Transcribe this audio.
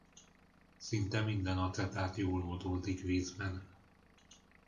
Szinte minden acetát jól oldódik vízben.